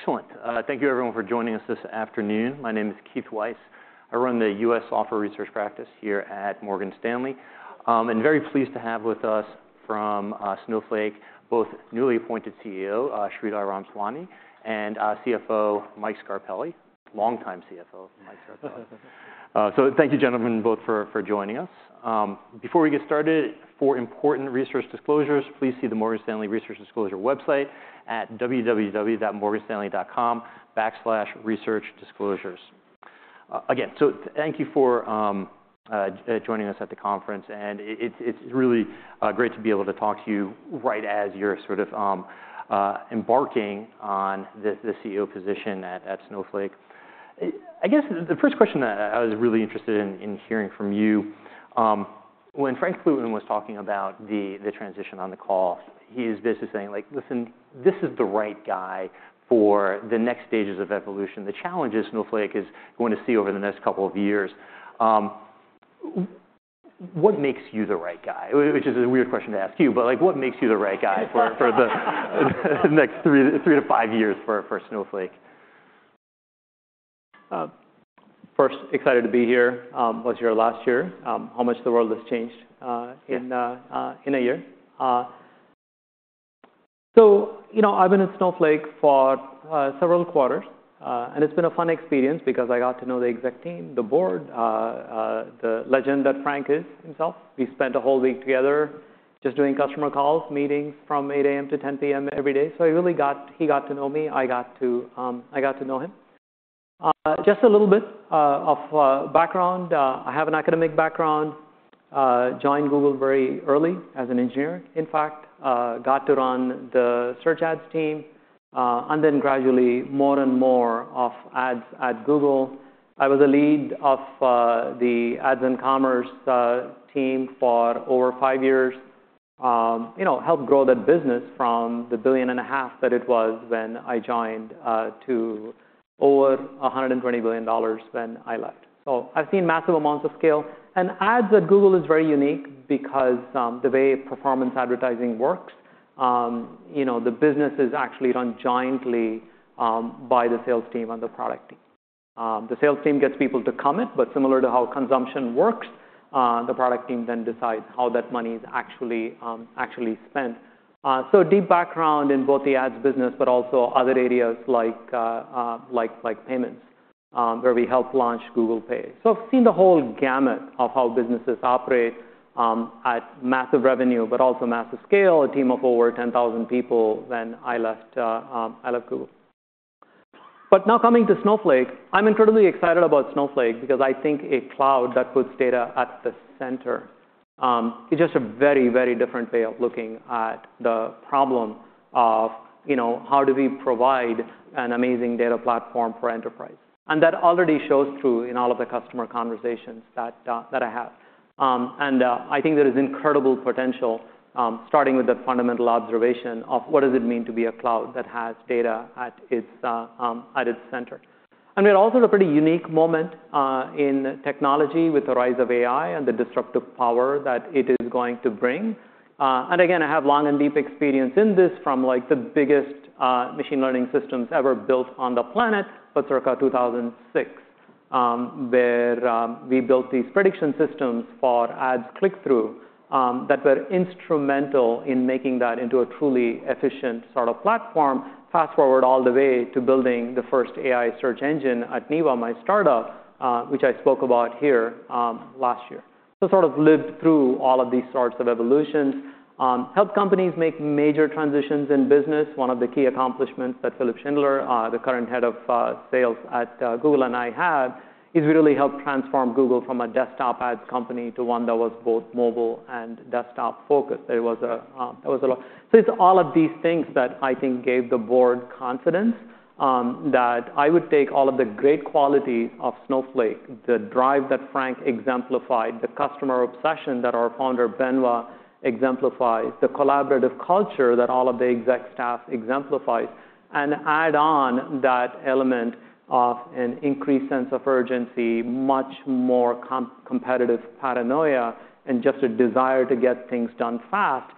Excellent. Thank you, everyone, for joining us this afternoon. My name is Keith Weiss. I run the U.S. Software Research Practice here at Morgan Stanley. I'm very pleased to have with us from Snowflake both newly appointed CEO Sridhar Ramaswamy and CFO Mike Scarpelli, longtime CFO Mike Scarpelli. So thank you, gentlemen, both for joining us. Before we get started, for important research disclosures, please see the Morgan Stanley Research Disclosure website at www.morganstanley.com/researchdisclosures. Again, so thank you for joining us at the conference. It's really great to be able to talk to you right as you're sort of embarking on the CEO position at Snowflake. I guess the first question that I was really interested in hearing from you, when Frank Slootman was talking about the transition on the call, he's basically saying, like, listen, this is the right guy for the next stages of evolution. The challenge that Snowflake is going to see over the next couple of years, what makes you the right guy? Which is a weird question to ask you, but, like, what makes you the right guy for the next 3-5 years for Snowflake? First, excited to be here. Was here last year. How much the world has changed in a year. You know, I've been at Snowflake for several quarters. It's been a fun experience because I got to know the exec team, the board, the legend that Frank is himself. We spent a whole week together just doing customer calls, meetings from 8:00 A.M. - 10:00 P.M. every day. So I really got he got to know me. I got to know him. Just a little bit of background. I have an academic background. Joined Google very early as an engineer, in fact. Got to run the search ads team. Then gradually more and more of ads at Google. I was a lead of the ads and commerce team for over five years. You know, helped grow that business from the $1.5 billion that it was when I joined to over $120 billion when I left. So I've seen massive amounts of scale. And Ads at Google is very unique because the way performance advertising works, you know, the business is actually run jointly by the sales team and the product team. The sales team gets people to commit. But similar to how consumption works, the product team then decides how that money is actually spent. So deep background in both the ads business but also other areas like payments, where we helped launch Google Pay. So I've seen the whole gamut of how businesses operate at massive revenue but also massive scale, a team of over 10,000 people when I left Google. But now coming to Snowflake, I'm incredibly excited about Snowflake because I think a cloud that puts data at the center, it's just a very, very different way of looking at the problem of, you know, how do we provide an amazing data platform for enterprise. And that already shows through in all of the customer conversations that I have. And I think there is incredible potential, starting with the fundamental observation of what does it mean to be a cloud that has data at its center. And we're also at a pretty unique moment in technology with the rise of AI and the disruptive power that it is going to bring. And again, I have long and deep experience in this from, like, the biggest machine learning systems ever built on the planet but circa 2006, where we built these prediction systems for ads click-through that were instrumental in making that into a truly efficient sort of platform. Fast forward all the way to building the first AI search engine at Neeva, my startup, which I spoke about here last year. So sort of lived through all of these sorts of evolutions, helped companies make major transitions in business. One of the key accomplishments that Philipp Schindler, the current head of sales at Google, and I had is we really helped transform Google from a desktop ads company to one that was both mobile and desktop focused. There was a lot so it's all of these things that I think gave the board confidence that I would take all of the great qualities of Snowflake, the drive that Frank exemplified, the customer obsession that our founder Benoît exemplified, the collaborative culture that all of the exec staff exemplified, and add on that element of an increased sense of urgency, much more competitive paranoia, and just a desire to get things done fast.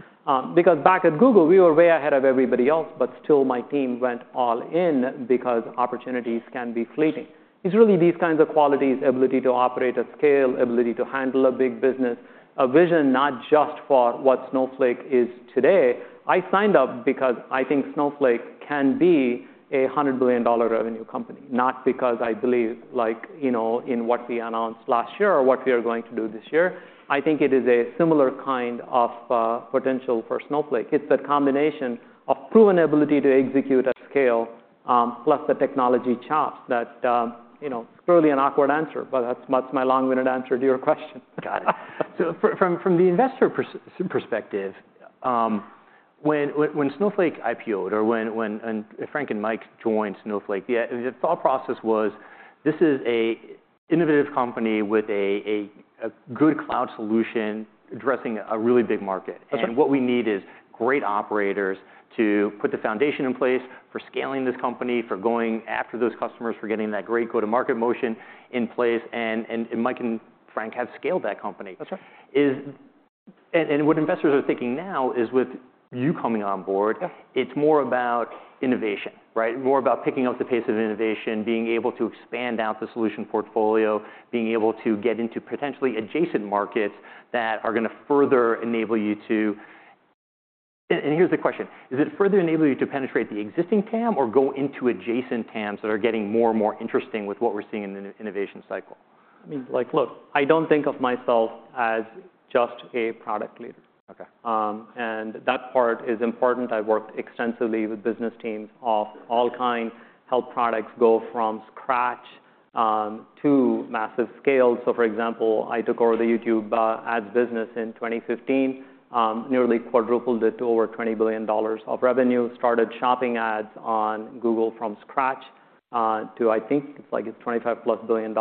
Because back at Google, we were way ahead of everybody else. But still, my team went all in because opportunities can be fleeting. It's really these kinds of qualities: ability to operate at scale, ability to handle a big business, a vision not just for what Snowflake is today. I signed up because I think Snowflake can be a $100 billion revenue company, not because I believe, like, you know, in what we announced last year or what we are going to do this year. I think it is a similar kind of potential for Snowflake. It's that combination of proven ability to execute at scale plus the technology chops that, you know, truy an awkward answer, but that's my long-winded answer to your question. Got it. So from the investor perspective, when Snowflake IPOed or when Frank and Mike joined Snowflake, the thought process was, this is an innovative company with a good cloud solution addressing a really big market. And what we need is great operators to put the foundation in place for scaling this company, for going after those customers, for getting that great go-to-market motion in place. And Mike and Frank have scaled that company. And what investors are thinking now is, with you coming on board, it's more about innovation, right? More about picking up the pace of innovation, being able to expand out the solution portfolio, being able to get into potentially adjacent markets that are going to further enable you to and here's the question. Is it further enable you to penetrate the existing TAM or go into adjacent TAMs that are getting more and more interesting with what we're seeing in the innovation cycle? I mean, like, look, I don't think of myself as just a product leader. And that part is important. I worked extensively with business teams of all kinds, helped products go from scratch to massive scale. So for example, I took over the YouTube Ads business in 2015, nearly quadrupled it to over $20 billion of revenue, started shopping ads on Google from scratch to, I think it's like, it's $25+ billion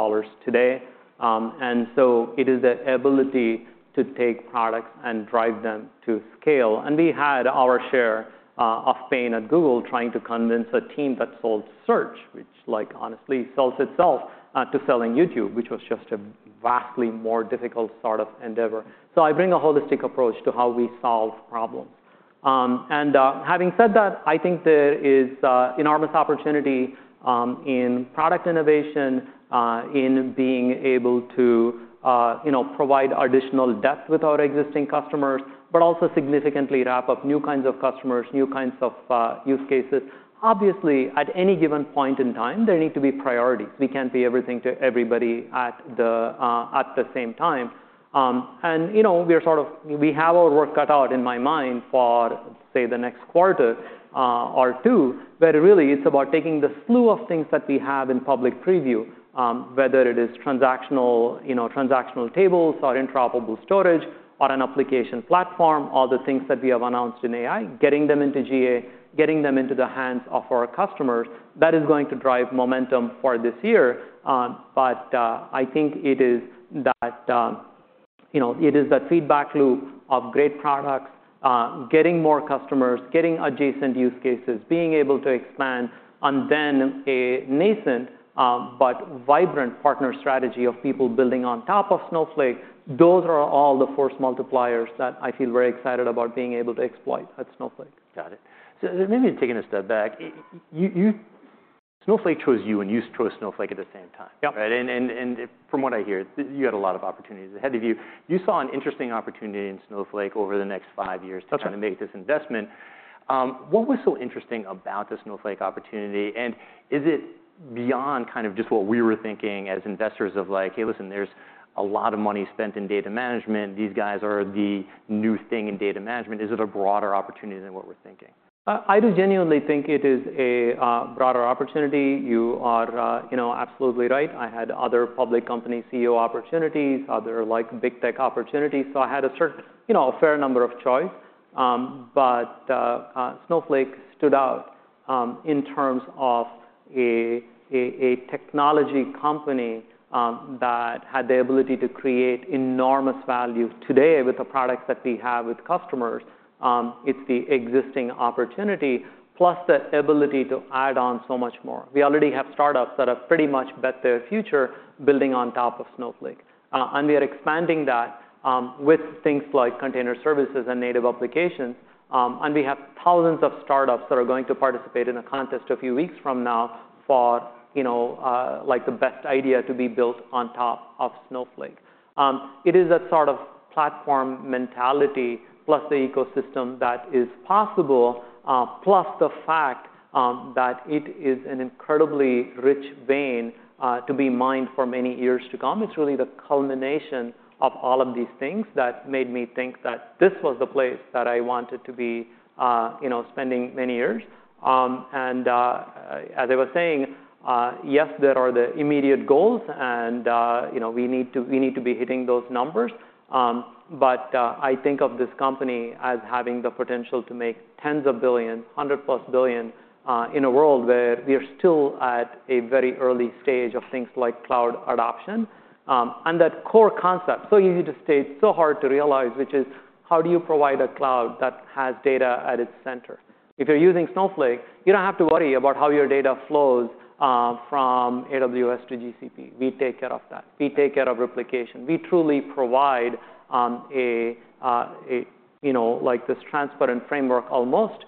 today. And so it is the ability to take products and drive them to scale. And we had our share of pain at Google trying to convince a team that sold search, which, like, honestly, sells itself to selling YouTube, which was just a vastly more difficult sort of endeavor. So I bring a holistic approach to how we solve problems. And having said that, I think there is enormous opportunity in product innovation, in being able to, you know, provide additional depth with our existing customers but also significantly wrap up new kinds of customers, new kinds of use cases. Obviously, at any given point in time, there need to be priorities. We can't be everything to everybody at the same time. And, you know, we're sort of we have our work cut out in my mind for, say, the next quarter or two, where really it's about taking the slew of things that we have in public preview, whether it is transactional tables or interoperable storage or an application platform, all the things that we have announced in AI, getting them into GA, getting them into the hands of our customers. That is going to drive momentum for this year. I think it is that, you know, it is that feedback loop of great products, getting more customers, getting adjacent use cases, being able to expand, and then a nascent but vibrant partner strategy of people building on top of Snowflake. Those are all the force multipliers that I feel very excited about being able to exploit at Snowflake. Got it. So maybe taking a step back, you Snowflake chose you, and you chose Snowflake at the same time, right? And from what I hear, you had a lot of opportunities ahead of you. You saw an interesting opportunity in Snowflake over the next five years to kind of make this investment. What was so interesting about the Snowflake opportunity? And is it beyond kind of just what we were thinking as investors of, like, hey, listen, there's a lot of money spent in data management. These guys are the new thing in data management. Is it a broader opportunity than what we're thinking? I do genuinely think it is a broader opportunity. You are, you know, absolutely right. I had other public company CEO opportunities, other, like, big tech opportunities. I had a certain, you know, a fair number of choice. Snowflake stood out in terms of a technology company that had the ability to create enormous value today with the products that we have with customers. It's the existing opportunity plus the ability to add on so much more. We already have startups that have pretty much bet their future building on top of Snowflake. We are expanding that with things like container services and native applications. We have thousands of startups that are going to participate in a contest a few weeks from now for, you know, like, the best idea to be built on top of Snowflake. It is that sort of platform mentality plus the ecosystem that is possible plus the fact that it is an incredibly rich vein to be mined for many years to come. It's really the culmination of all of these things that made me think that this was the place that I wanted to be, you know, spending many years. And as I was saying, yes, there are the immediate goals. And, you know, we need to be hitting those numbers. But I think of this company as having the potential to make tens of billions, $100+ billion, in a world where we are still at a very early stage of things like cloud adoption. And that core concept, so easy to state, so hard to realize, which is, how do you provide a cloud that has data at its center? If you're using Snowflake, you don't have to worry about how your data flows from AWS to GCP. We take care of that. We take care of replication. We truly provide a, you know, like, this transparent framework almost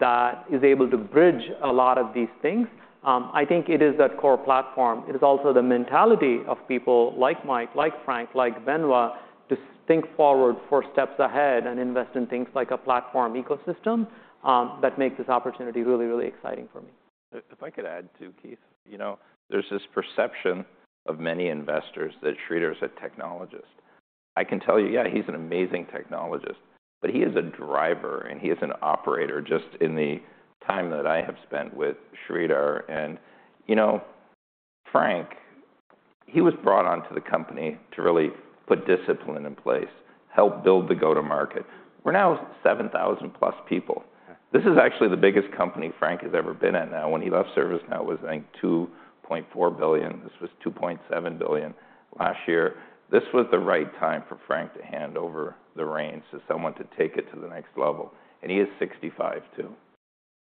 that is able to bridge a lot of these things. I think it is that core platform. It is also the mentality of people like Mike, like Frank, like Benoît to think forward, four steps ahead, and invest in things like a platform ecosystem that make this opportunity really, really exciting for me. If I could add too, Keith, you know, there's this perception of many investors that Sridhar is a technologist. I can tell you, yeah, he's an amazing technologist. But he is a driver. And he is an operator just in the time that I have spent with Sridhar. And, you know, Frank, he was brought onto the company to really put discipline in place, help build the go-to-market. We're now 7,000+ people. This is actually the biggest company Frank has ever been at now. When he left ServiceNow, it was, I think, $2.4 billion. This was $2.7 billion last year. This was the right time for Frank to hand over the reins to someone to take it to the next level. And he is 65, too.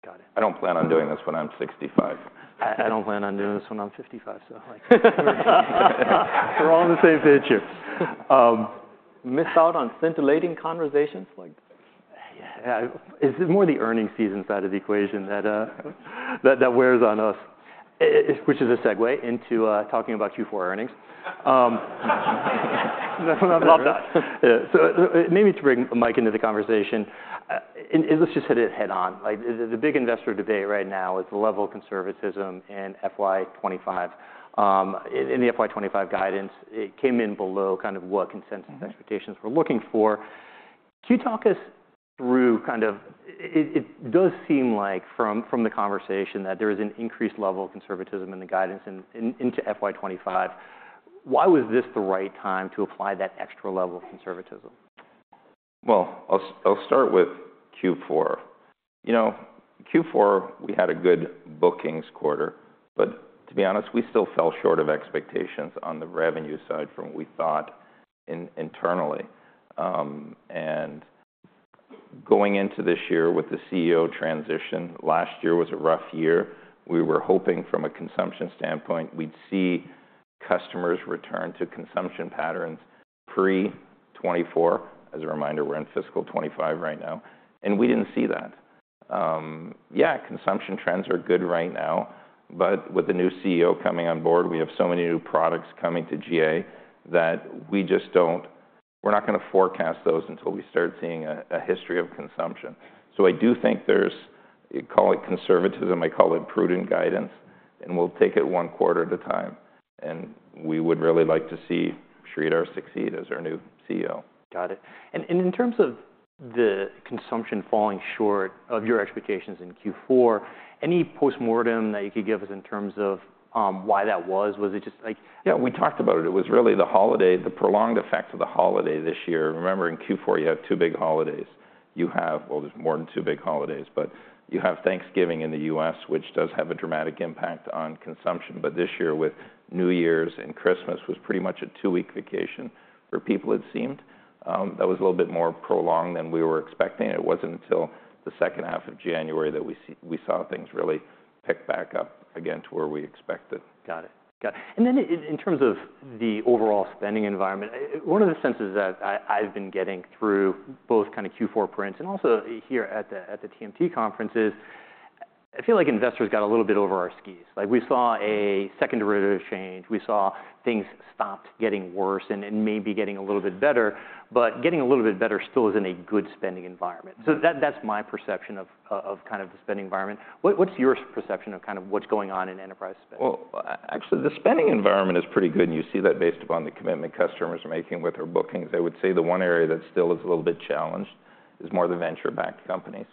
Got it. I don't plan on doing this when I'm 65. I don't plan on doing this when I'm 55. So, like, we're all on the same page here. Missed out on scintillating conversations? Like, yeah. Yeah. It's more the earnings season side of the equation that wears on us, which is a segue into talking about Q4 earnings. Love that. Yeah. It made me bring Mike into the conversation. Let's just hit it head-on. Like, the big investor debate right now is the level of conservatism in FY 2025. In the FY 2025 guidance, it came in below kind of what consensus expectations we're looking for. Can you talk us through kind of it does seem like, from the conversation, that there is an increased level of conservatism in the guidance into FY 2025. Why was this the right time to apply that extra level of conservatism? Well, I'll start with Q4. You know, Q4, we had a good bookings quarter. But to be honest, we still fell short of expectations on the revenue side from what we thought internally. And going into this year with the CEO transition, last year was a rough year. We were hoping, from a consumption standpoint, we'd see customers return to consumption patterns pre-2024. As a reminder, we're in fiscal 2025 right now. And we didn't see that. Yeah, consumption trends are good right now. But with the new CEO coming on board, we have so many new products coming to GA that we just we're not going to forecast those until we start seeing a history of consumption. So I do think there's call it conservatism. I call it prudent guidance. And we'll take it one quarter at a time. We would really like to see Sridhar succeed as our new CEO. Got it. In terms of the consumption falling short of your expectations in Q4, any postmortem that you could give us in terms of why that was? Was it just, like. Yeah, we talked about it. It was really the holiday, the prolonged effect of the holiday this year. Remember, in Q4, you have two big holidays. You have well, there's more than two big holidays. But you have Thanksgiving in the U.S., which does have a dramatic impact on consumption. But this year, with New Year's and Christmas, it was pretty much a two-week vacation for people, it seemed. That was a little bit more prolonged than we were expecting. It wasn't until the second half of January that we saw things really pick back up again to where we expected. Got it. Got it. Then in terms of the overall spending environment, one of the senses that I've been getting through both kind of Q4 prints and also here at the TMT conferences, I feel like investors got a little bit over our skis. Like, we saw a second derivative change. We saw things stopped getting worse and maybe getting a little bit better. But getting a little bit better still is in a good spending environment. So that's my perception of kind of the spending environment. What's your perception of kind of what's going on in enterprise spending? Well, actually, the spending environment is pretty good. You see that based upon the commitment customers are making with their bookings. I would say the one area that still is a little bit challenged is more the venture-backed companies.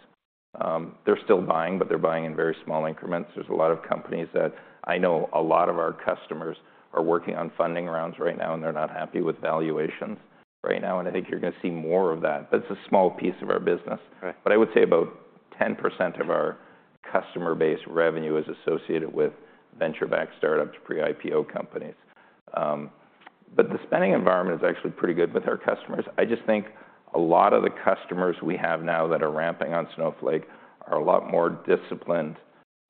They're still buying, but they're buying in very small increments. There's a lot of companies that I know a lot of our customers are working on funding rounds right now. They're not happy with valuations right now. I think you're going to see more of that. It's a small piece of our business. I would say about 10% of our customer base revenue is associated with venture-backed startups, pre-IPO companies. The spending environment is actually pretty good with our customers. I just think a lot of the customers we have now that are ramping on Snowflake are a lot more disciplined,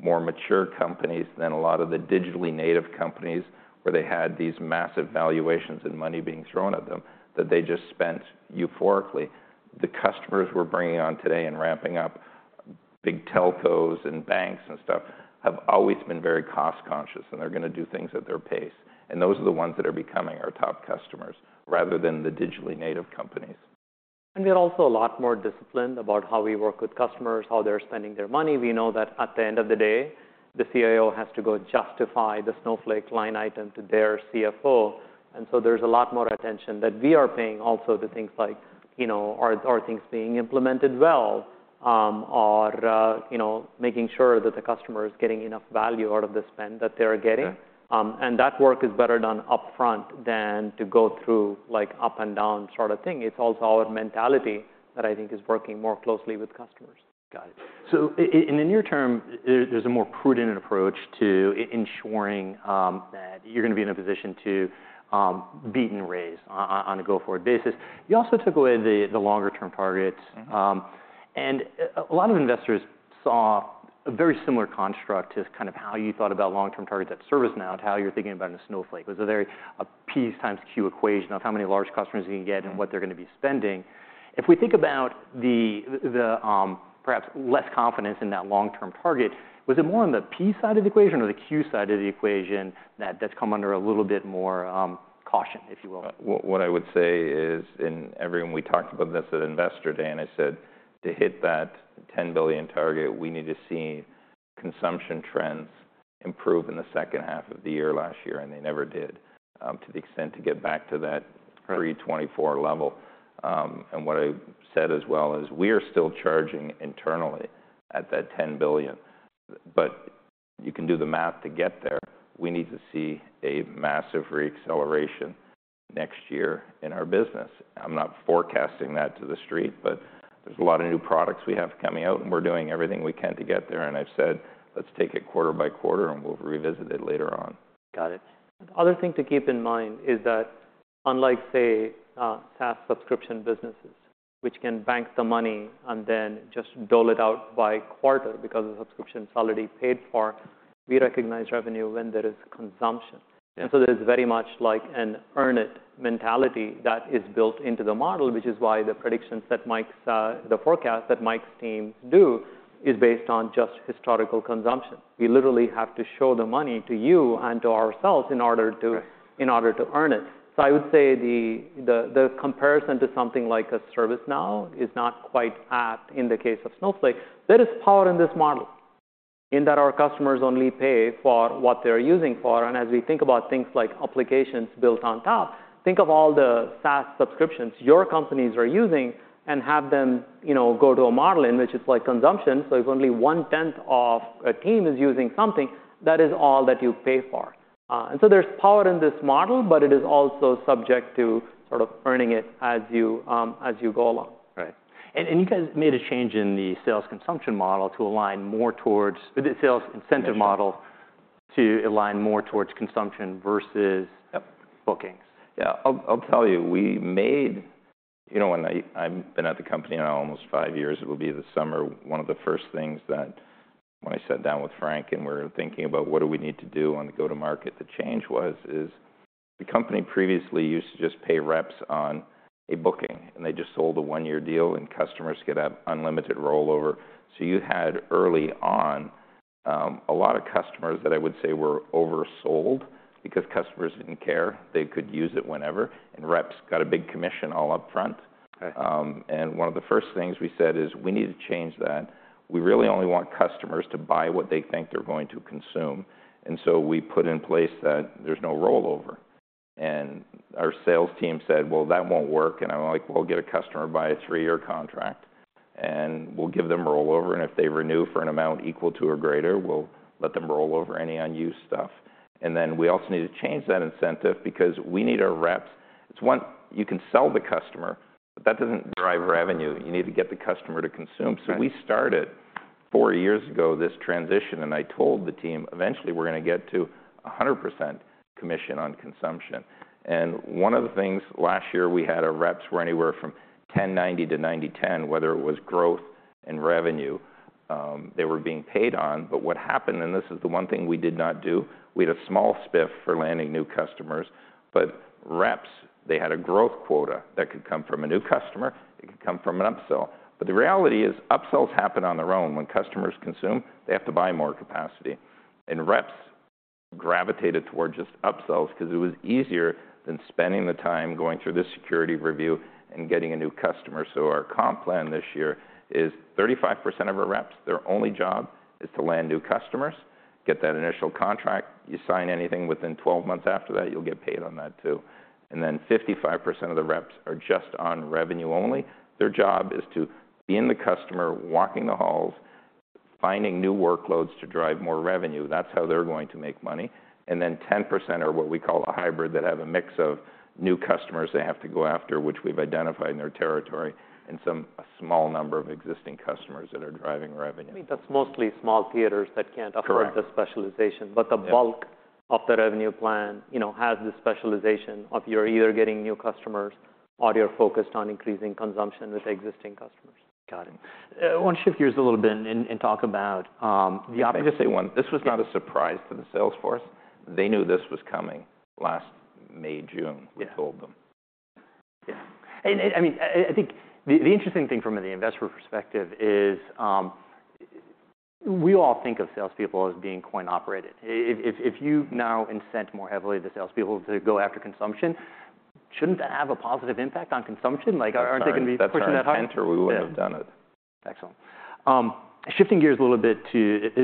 more mature companies than a lot of the digitally native companies, where they had these massive valuations and money being thrown at them that they just spent euphorically. The customers we're bringing on today and ramping up, big telcos and banks and stuff, have always been very cost-conscious. They're going to do things at their pace. Those are the ones that are becoming our top customers rather than the digitally native companies. We are also a lot more disciplined about how we work with customers, how they're spending their money. We know that at the end of the day, the CIO has to go justify the Snowflake line item to their CFO. And so there's a lot more attention that we are paying also to things like, you know, are things being implemented well or, you know, making sure that the customer is getting enough value out of the spend that they are getting. And that work is better done upfront than to go through, like, up and down sort of thing. It's also our mentality that I think is working more closely with customers. Got it. So in the near term, there's a more prudent approach to ensuring that you're going to be in a position to beat and raise on a go-forward basis. You also took away the longer-term targets. A lot of investors saw a very similar construct to kind of how you thought about long-term targets at ServiceNow and how you're thinking about at Snowflake. It was a very P times Q equation of how many large customers you can get and what they're going to be spending. If we think about the perhaps less confidence in that long-term target, was it more on the P side of the equation or the Q side of the equation that's come under a little bit more caution, if you will? What I would say is, everyone we talked about this at Investor Day, and I said, to hit that $10 billion target, we need to see consumption trends improve in the second half of the year last year. And they never did to the extent to get back to that pre-2024 level. And what I said as well is, we are still charging internally at that $10 billion. But you can do the math to get there. We need to see a massive re-acceleration next year in our business. I'm not forecasting that to the street. But there's a lot of new products we have coming out. And we're doing everything we can to get there. And I've said, let's take it quarter-by-quarter. And we'll revisit it later on. Got it. Another thing to keep in mind is that unlike, say, SaaS subscription businesses, which can bank the money and then just dole it out by quarter because the subscription is already paid for, we recognize revenue when there is consumption. And so there's very much, like, an earn-it mentality that is built into the model, which is why the predictions that Mike's the forecast that Mike's team do is based on just historical consumption. We literally have to show the money to you and to ourselves in order to earn it. So I would say the comparison to something like ServiceNow is not quite apt in the case of Snowflake. There is power in this model in that our customers only pay for what they're using for. As we think about things like applications built on top, think of all the SaaS subscriptions your companies are using and have them, you know, go to a model in which it's like consumption. If only 1/10 of a team is using something, that is all that you pay for. So there's power in this model. But it is also subject to sort of earning it as you go along. Right. And you guys made a change in the sales compensation model to align more towards the sales incentive model to align more towards consumption versus bookings. Yeah. I'll tell you. We made, you know, when I've been at the company now almost 5 years, it will be the summer, one of the first things that when I sat down with Frank and we were thinking about what do we need to do on the go-to-market, the change was, is the company previously used to just pay reps on a booking. And they just sold a 1-year deal. And customers could have unlimited rollover. So you had early on a lot of customers that I would say were oversold because customers didn't care. They could use it whenever. And reps got a big commission all upfront. And one of the first things we said is, we need to change that. We really only want customers to buy what they think they're going to consume. And so we put in place that there's no rollover. Our sales team said, well, that won't work. And I'm like, we'll get a customer buy a 3-year contract. And we'll give them rollover. And if they renew for an amount equal to or greater, we'll let them rollover any unused stuff. And then we also need to change that incentive because we need our reps. It's one, you can sell the customer. But that doesn't drive revenue. You need to get the customer to consume. So we started four years ago this transition. And I told the team, eventually, we're going to get to 100% commission on consumption. And one of the things last year, we had our reps were anywhere from 10/90-90/10, whether it was growth and revenue. They were being paid on. But what happened, and this is the one thing we did not do. We had a small spiff for landing new customers. But reps, they had a growth quota that could come from a new customer. It could come from an upsell. But the reality is, upsells happen on their own. When customers consume, they have to buy more capacity. And reps gravitated toward just upsells because it was easier than spending the time going through this security review and getting a new customer. So our comp plan this year is 35% of our reps, their only job is to land new customers, get that initial contract. You sign anything within 12 months after that, you'll get paid on that, too. And then 55% of the reps are just on revenue only. Their job is to be in the customer, walking the halls, finding new workloads to drive more revenue. That's how they're going to make money. And then 10% are what we call a hybrid that have a mix of new customers they have to go after, which we've identified in their territory, and some small number of existing customers that are driving revenue. I mean, that's mostly small theaters that can't afford the specialization. But the bulk of the revenue plan, you know, has the specialization of you're either getting new customers or you're focused on increasing consumption with existing customers. Got it. I want to shift gears a little bit and talk about the. Let me just say one. This was not a surprise to the Salesforce. They knew this was coming last May, June. We told them. Yeah. And I mean, I think the interesting thing from the investor perspective is, we all think of salespeople as being coin-operated. If you now incent more heavily the salespeople to go after consumption, shouldn't that have a positive impact on consumption? Like, aren't they going to be pushing that hard? If SaaS hadn't entered, we wouldn't have done it. Excellent. Shifting gears a little bit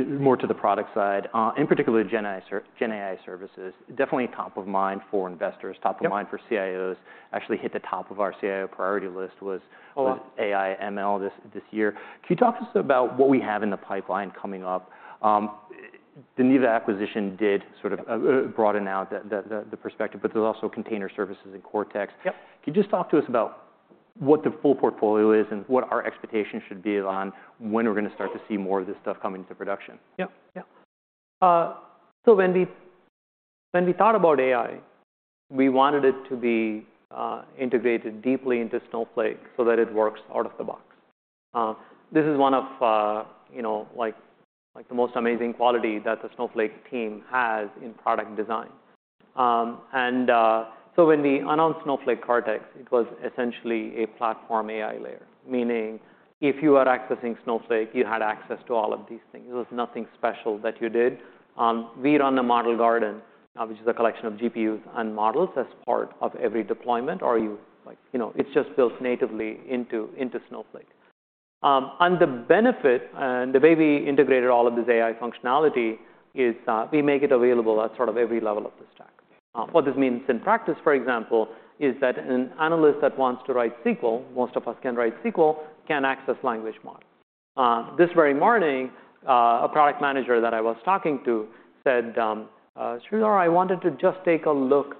more to the product side, in particular, GenAI services, definitely top of mind for investors, top of mind for CIOs. Actually, hit the top of our CIO priority list was AI/ML this year. Can you talk to us about what we have in the pipeline coming up? The Neeva acquisition did sort of broaden out the perspective. But there's also Container Services and Cortex. Can you just talk to us about what the full portfolio is and what our expectations should be on when we're going to start to see more of this stuff coming into production? Yeah. Yeah. So when we thought about AI, we wanted it to be integrated deeply into Snowflake so that it works out of the box. This is one of, you know, like, the most amazing quality that the Snowflake team has in product design. And so when we announced Snowflake Cortex, it was essentially a platform AI layer, meaning if you are accessing Snowflake, you had access to all of these things. It was nothing special that you did. We run a model garden, which is a collection of GPUs and models as part of every deployment. Or you, like, you know, it's just built natively into Snowflake. And the benefit and the way we integrated all of this AI functionality is, we make it available at sort of every level of the stack. What this means in practice, for example, is that an analyst that wants to write SQL, most of us can write SQL, can access language models. This very morning, a product manager that I was talking to said, "Sridhar, I wanted to just take a look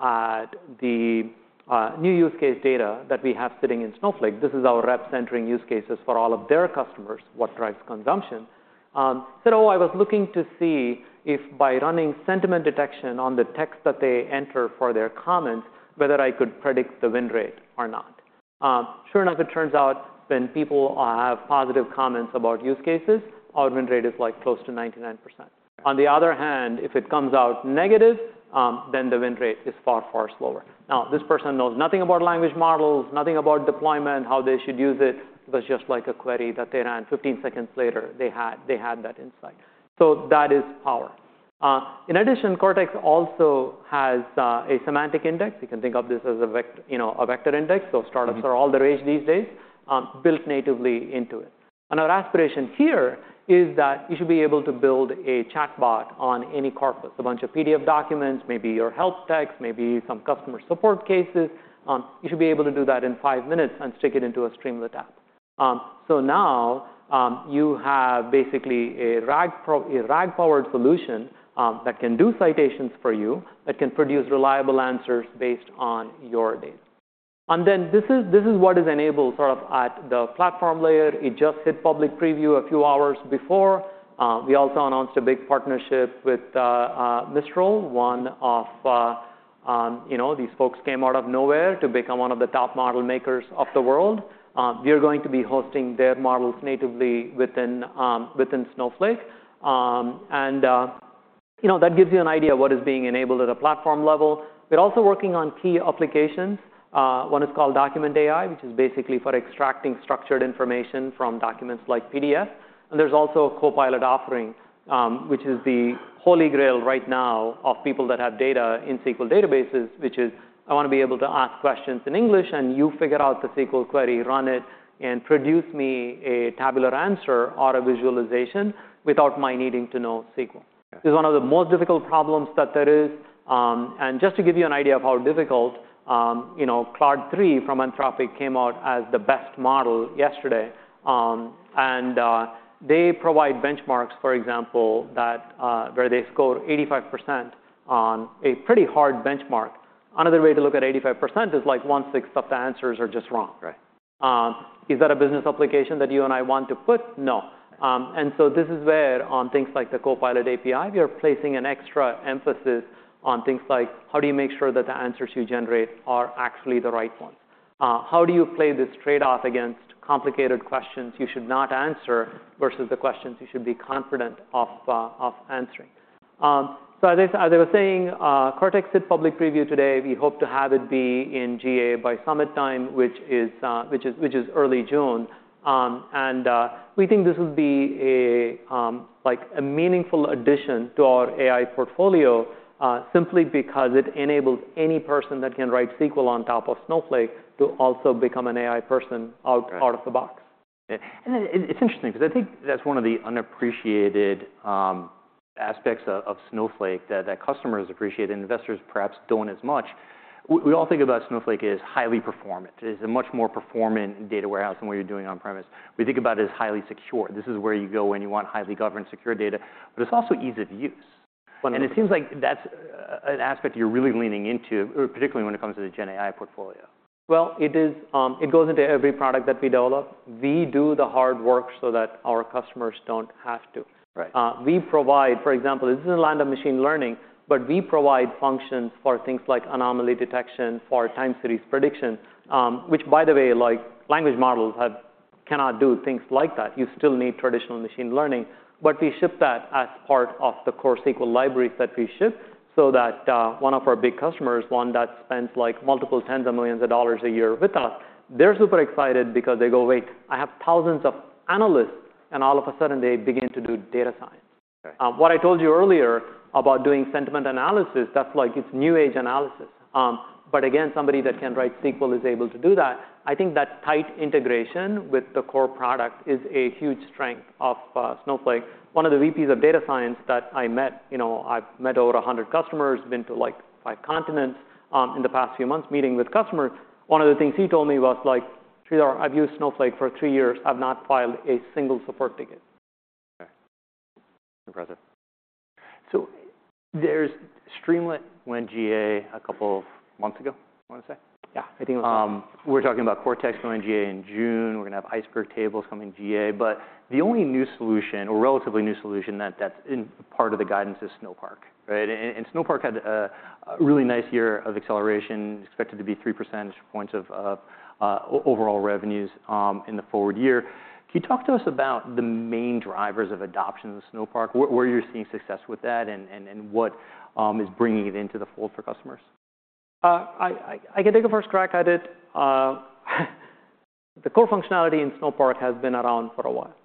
at the new use case data that we have sitting in Snowflake. This is our reps entering use cases for all of their customers. What drives consumption?" He said, "Oh, I was looking to see if by running sentiment detection on the text that they enter for their comments, whether I could predict the win rate or not." Sure enough, it turns out, when people have positive comments about use cases, our win rate is, like, close to 99%. On the other hand, if it comes out negative, then the win rate is far, far slower. Now, this person knows nothing about language models, nothing about deployment, how they should use it. It was just like a query that they ran. 15 seconds later, they had that insight. So that is power. In addition, Cortex also has a Semantic Index. You can think of this as a Vector Index. So startups are all the rage these days, built natively into it. And our aspiration here is that you should be able to build a chatbot on any corpus, a bunch of PDF documents, maybe your help text, maybe some customer support cases. You should be able to do that in 5 minutes and stick it into a Streamlit app. So now you have basically a RAG-powered solution that can do citations for you, that can produce reliable answers based on your data. And then this is what is enabled sort of at the platform layer. It just hit Public Preview a few hours before. We also announced a big partnership with Mistral, one of, you know, these folks came out of nowhere to become one of the top model makers of the world. We are going to be hosting their models natively within Snowflake. And, you know, that gives you an idea of what is being enabled at a platform level. We're also working on key applications. One is called Document AI, which is basically for extracting structured information from documents like PDF. And there's also a Copilot offering, which is the holy grail right now of people that have data in SQL databases, which is, I want to be able to ask questions in English. And you figure out the SQL query, run it, and produce me a tabular answer or a visualization without my needing to know SQL. This is one of the most difficult problems that there is. Just to give you an idea of how difficult, you know, Claude 3 from Anthropic came out as the best model yesterday. They provide benchmarks, for example, where they score 85% on a pretty hard benchmark. Another way to look at 85% is, like, 1/6 of the answers are just wrong. Is that a business application that you and I want to put? No. This is where, on things like the Copilot API, we are placing an extra emphasis on things like, how do you make sure that the answers you generate are actually the right ones? How do you play this trade-off against complicated questions you should not answer versus the questions you should be confident of answering? As I was saying, Cortex hit public preview today. We hope to have it be in GA by summit time, which is early June. We think this will be a, like, meaningful addition to our AI portfolio simply because it enables any person that can write SQL on top of Snowflake to also become an AI person out of the box. It's interesting because I think that's one of the unappreciated aspects of Snowflake that customers appreciate and investors perhaps don't as much. We all think about Snowflake as highly performant. It is a much more performant data warehouse than what you're doing on-premise. We think about it as highly secure. This is where you go when you want highly governed, secure data. But it's also ease of use. It seems like that's an aspect you're really leaning into, particularly when it comes to the GenAI portfolio. Well, it is. It goes into every product that we develop. We do the hard work so that our customers don't have to. We provide, for example, this is in the land of machine learning. But we provide functions for things like anomaly detection, for time series prediction, which, by the way, like, language models cannot do things like that. You still need traditional machine learning. But we ship that as part of the core SQL libraries that we ship so that one of our big customers, one that spends, like, multiple tens of millions dollars a year with us, they're super excited because they go, wait, I have thousands of analysts. And all of a sudden, they begin to do data science. What I told you earlier about doing sentiment analysis, that's, like, it's new age analysis. But again, somebody that can write SQL is able to do that. I think that tight integration with the core product is a huge strength of Snowflake. One of the VPs of data science that I met, you know, I've met over 100 customers, been to, like, five continents in the past few months meeting with customers. One of the things he told me was, like, "Sridhar, I've used Snowflake for three years. I've not filed a single support ticket. Impressive. So Streamlit went GA a couple of months ago, I want to say. Yeah. I think that's right. We're talking about Cortex going GA in June. We're going to have Iceberg Tables coming GA. But the only new solution or relatively new solution that's part of the guidance is Snowpark, right? And Snowpark had a really nice year of acceleration, expected to be 3 percentage points of overall revenues in the forward year. Can you talk to us about the main drivers of adoption of Snowpark, where you're seeing success with that, and what is bringing it into the fold for customers? I can take a first crack at it. The core functionality in Snowpark has been around for a while.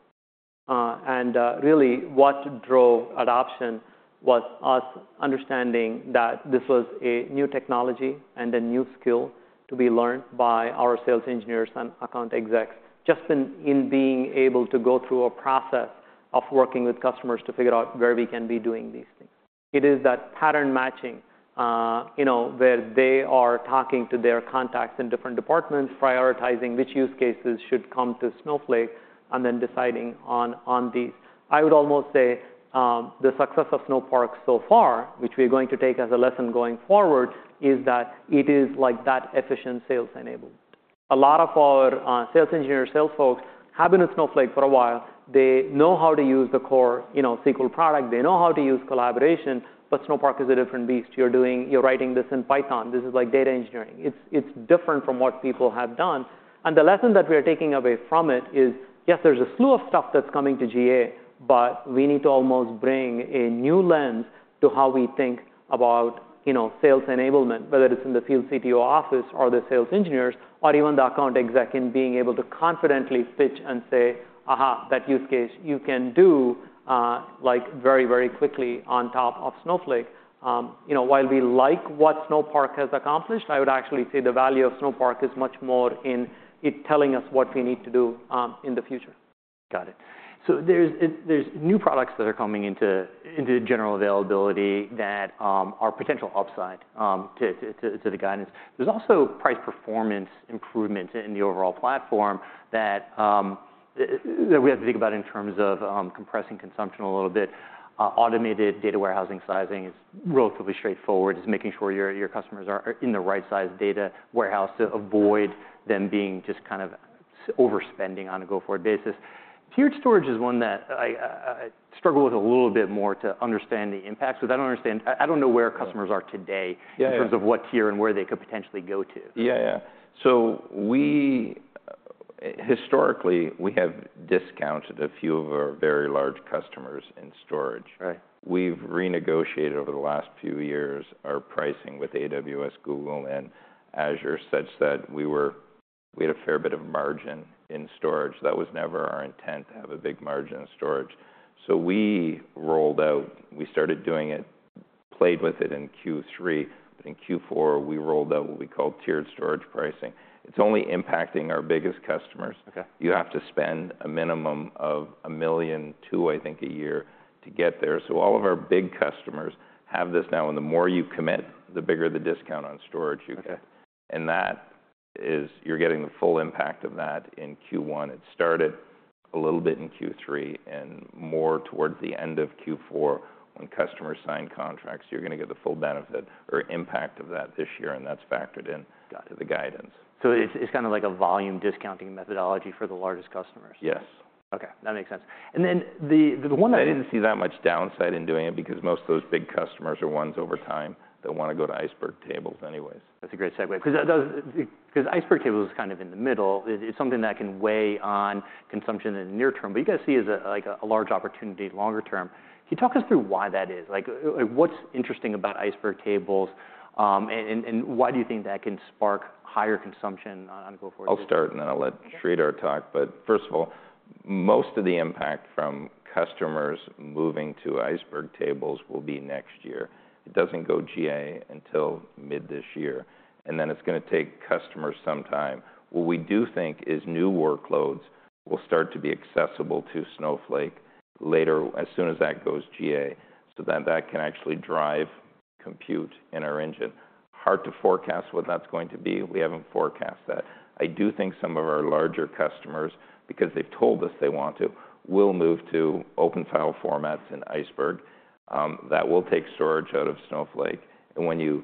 Really, what drove adoption was us understanding that this was a new technology and a new skill to be learned by our sales engineers and account execs, just in being able to go through a process of working with customers to figure out where we can be doing these things. It is that pattern matching, you know, where they are talking to their contacts in different departments, prioritizing which use cases should come to Snowflake, and then deciding on these. I would almost say the success of Snowpark so far, which we are going to take as a lesson going forward, is that it is, like, that efficient sales enablement. A lot of our sales engineers, sales folks, have been with Snowflake for a while. They know how to use the core, you know, SQL product. They know how to use collaboration. But Snowpark is a different beast. You're writing this in Python. This is, like, data engineering. It's different from what people have done. And the lesson that we are taking away from it is, yes, there's a slew of stuff that's coming to GA. But we need to almost bring a new lens to how we think about, you know, sales enablement, whether it's in the field CTO office or the sales engineers or even the account exec in being able to confidently pitch and say, "Aha, that use case, you can do, like, very, very quickly on top of Snowflake." You know, while we like what Snowpark has accomplished, I would actually say the value of Snowpark is much more in it telling us what we need to do in the future. Got it. So there's new products that are coming into general availability that are potential upside to the guidance. There's also price performance improvements in the overall platform that we have to think about in terms of compressing consumption a little bit. Automated data warehousing sizing is relatively straightforward. It's making sure your customers are in the right size data warehouse to avoid them being just kind of overspending on a go-forward basis. Tiered storage is one that I struggle with a little bit more to understand the impacts. But I don't know where customers are today in terms of what tier and where they could potentially go to. Yeah, yeah. So historically, we have discounted a few of our very large customers in storage. We've renegotiated over the last few years our pricing with AWS, Google, and Azure such that we had a fair bit of margin in storage. That was never our intent, to have a big margin in storage. So we rolled out we started doing it, played with it in Q3. But in Q4, we rolled out what we called tiered storage pricing. It's only impacting our biggest customers. You have to spend a minimum of $1.2 million, I think, a year to get there. So all of our big customers have this now. And the more you commit, the bigger the discount on storage you get. And that is you're getting the full impact of that in Q1. It started a little bit in Q3 and more towards the end of Q4 when customers sign contracts. You're going to get the full benefit or impact of that this year. That's factored into the guidance. It's kind of like a volume discounting methodology for the largest customers? Yes. OK. That makes sense. And then the one that. I didn't see that much downside in doing it because most of those big customers are ones over time that want to go to Iceberg Tables anyways. That's a great segue because Iceberg Tables is kind of in the middle. It's something that can weigh on consumption in the near term. But you guys see it as, like, a large opportunity longer term. Can you talk us through why that is? Like, what's interesting about Iceberg Tables? And why do you think that can spark higher consumption on a go-forward day? I'll start. Then I'll let Sridhar talk. But first of all, most of the impact from customers moving to Iceberg Tables will be next year. It doesn't go GA until mid this year. And then it's going to take customers some time. What we do think is new workloads will start to be accessible to Snowflake later, as soon as that goes GA, so that that can actually drive compute in our engine. Hard to forecast what that's going to be. We haven't forecast that. I do think some of our larger customers, because they've told us they want to, will move to open file formats in Iceberg. That will take storage out of Snowflake. And when you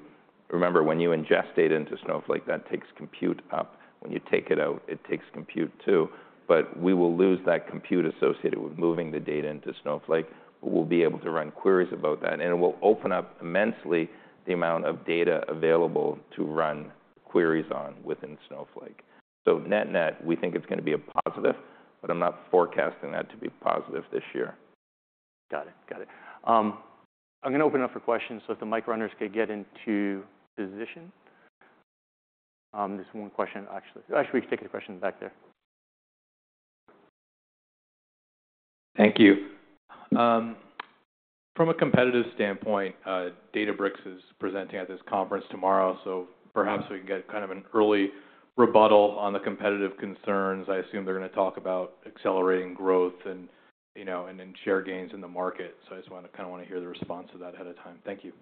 remember, when you ingest data into Snowflake, that takes compute up. When you take it out, it takes compute, too. But we will lose that compute associated with moving the data into Snowflake. But we'll be able to run queries about that. And it will open up immensely the amount of data available to run queries on within Snowflake. So net-net, we think it's going to be a positive. But I'm not forecasting that to be positive this year. Got it, got it. I'm going to open it up for questions so that the mic runners could get into position. There's one question, actually. Actually, we can take the question back there. Thank you. From a competitive standpoint, Databricks is presenting at this conference tomorrow. So perhaps we can get kind of an early rebuttal on the competitive concerns. I assume they're going to talk about accelerating growth and share gains in the market. So I just kind of want to hear the response to that ahead of time. Thank you.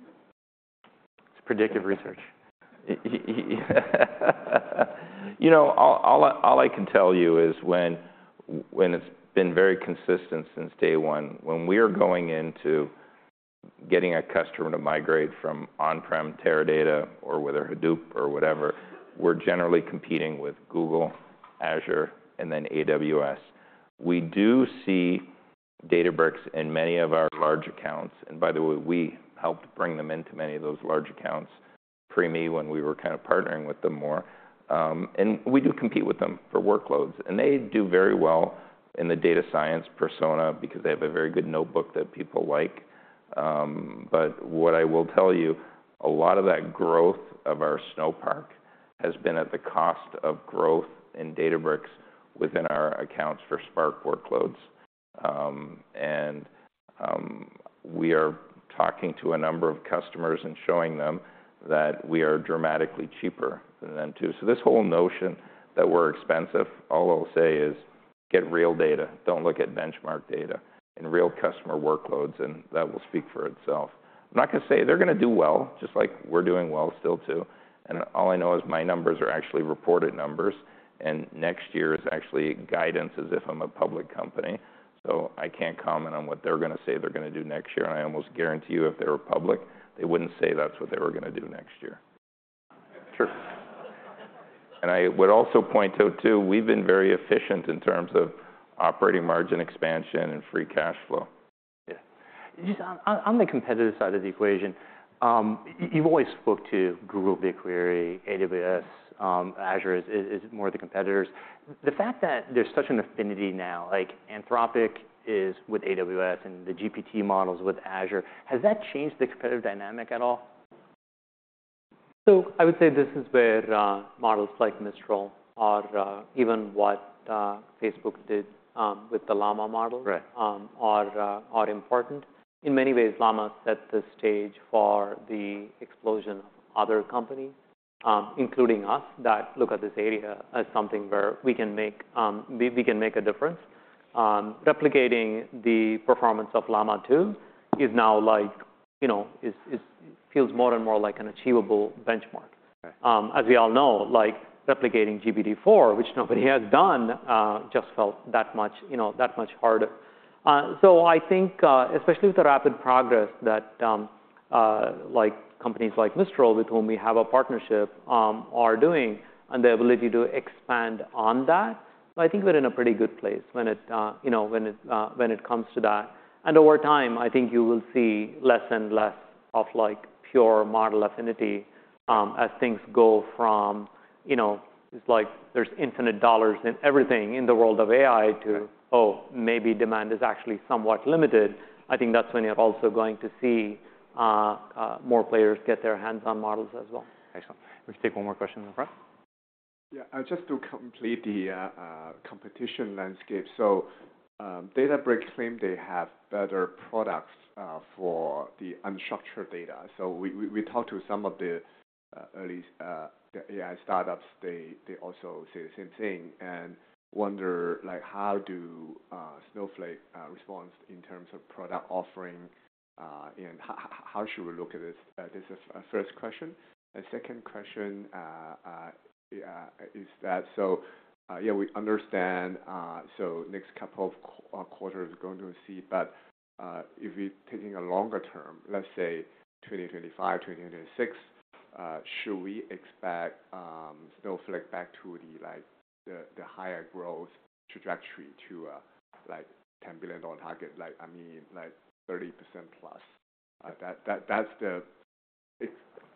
It's predictive research. You know, all I can tell you is when it's been very consistent since day one, when we are going into getting a customer to migrate from on-prem Teradata or with their Hadoop or whatever, we're generally competing with Google, Azure, and then AWS. We do see Databricks in many of our large accounts. And by the way, we helped bring them into many of those large accounts pre-me, when we were kind of partnering with them more. And we do compete with them for workloads. And they do very well in the data science persona because they have a very good notebook that people like. But what I will tell you, a lot of that growth of our Snowpark has been at the cost of growth in Databricks within our accounts for Spark workloads. We are talking to a number of customers and showing them that we are dramatically cheaper than them, too. So this whole notion that we're expensive, all I'll say is, get real data. Don't look at benchmark data and real customer workloads. And that will speak for itself. I'm not going to say they're going to do well, just like we're doing well still, too. And all I know is my numbers are actually reported numbers. And next year is actually guidance as if I'm a public company. So I can't comment on what they're going to say they're going to do next year. And I almost guarantee you, if they were public, they wouldn't say that's what they were going to do next year. True. I would also point out, too, we've been very efficient in terms of operating margin expansion and free cash flow. Yeah. Just on the competitive side of the equation, you've always spoke to Google, BigQuery, AWS, Azure as more of the competitors. The fact that there's such an affinity now, like Anthropic is with AWS and the GPT models with Azure, has that changed the competitive dynamic at all? So I would say this is where models like Mistral or even what Facebook did with the Llama model are important. In many ways, Llama set the stage for the explosion of other companies, including us, that look at this area as something where we can make a difference. Replicating the performance of Llama 2 is now, like, you know, feels more and more like an achievable benchmark. As we all know, like, replicating GPT-4, which nobody has done, just felt that much harder. So I think, especially with the rapid progress that, like, companies like Mistral, with whom we have a partnership, are doing and the ability to expand on that, I think we're in a pretty good place when it comes to that. And over time, I think you will see less and less of, like, pure model affinity as things go from, you know, it's like there's infinite dollars in everything in the world of AI to, oh, maybe demand is actually somewhat limited. I think that's when you're also going to see more players get their hands on models as well. Excellent. We can take one more question in the front. Yeah. I just to complete the competition landscape. So Databricks claim they have better products for the unstructured data. So we talked to some of the early AI startups. They also say the same thing and wonder, like, how do Snowflake respond in terms of product offering? And how should we look at this? That's the first question. And second question is that, so yeah, we understand. So next couple of quarters is going to see. But if we're taking a longer term, let's say 2025, 2026, should we expect Snowflake back to the higher growth trajectory to, like, $10 billion target, like, I mean, like, 30%+? That's the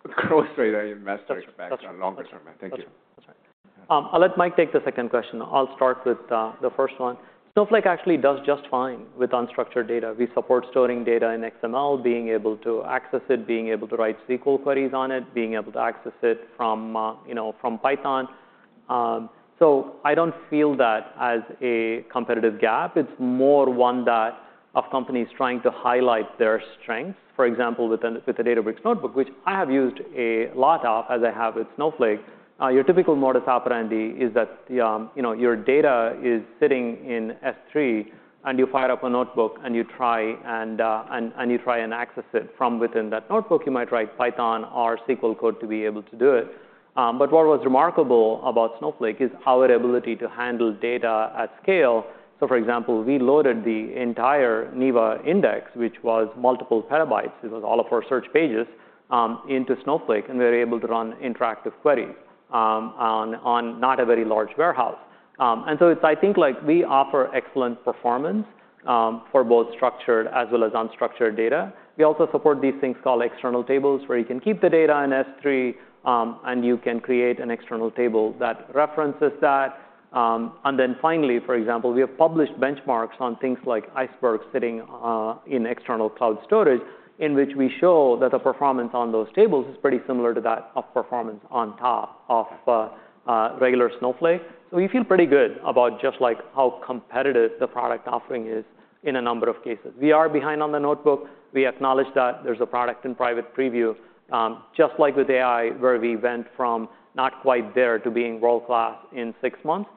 growth rate that investors expect on longer term. Thank you. That's right. I'll let Mike take the second question. I'll start with the first one. Snowflake actually does just fine with unstructured data. We support storing data in XML, being able to access it, being able to write SQL queries on it, being able to access it from Python. So I don't feel that as a competitive gap. It's more one of companies trying to highlight their strengths. For example, with the Databricks notebook, which I have used a lot of, as I have with Snowflake, your typical modus operandi is that your data is sitting in S3. And you fire up a notebook. And you try. And you try and access it. From within that notebook, you might write Python or SQL code to be able to do it. But what was remarkable about Snowflake is our ability to handle data at scale. So for example, we loaded the entire Neeva index, which was multiple petabytes. It was all of our search pages, into Snowflake. And we were able to run interactive queries on not a very large warehouse. And so it's, I think, like, we offer excellent performance for both structured as well as unstructured data. We also support these things called external tables, where you can keep the data in S3. And you can create an external table that references that. And then finally, for example, we have published benchmarks on things like Icebergs sitting in external cloud storage, in which we show that the performance on those tables is pretty similar to that of performance on top of regular Snowflake. So we feel pretty good about just, like, how competitive the product offering is in a number of cases. We are behind on the notebook. We acknowledge that there's a product in private preview. Just like with AI, where we went from not quite there to being world-class in six months,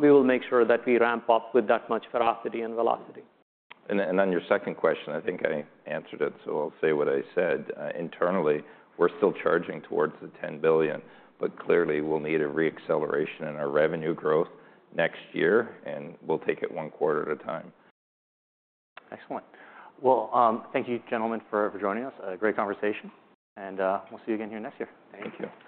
we will make sure that we ramp up with that much veracity and velocity. On your second question, I think I answered it. I'll say what I said. Internally, we're still charging towards the $10 billion. Clearly, we'll need a re-acceleration in our revenue growth next year. We'll take it one quarter at a time. Excellent. Well, thank you, gentlemen, for joining us. A great conversation. We'll see you again here next year. Thank you.